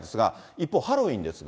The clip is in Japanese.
一方、ハロウィーンですが。